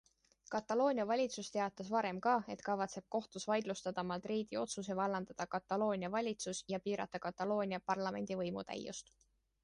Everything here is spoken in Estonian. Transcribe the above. Kataloonia valitsus teatas varem ka, et kavatseb kohtus vaidlustada Madridi otsuse vallandada Kataloonia valitsus ja piirata Kataloonia parlamendi võimutäiust.